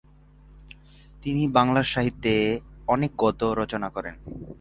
তিনি বাংলা সাহিত্যে অনেক গদ্য রচনা করেন।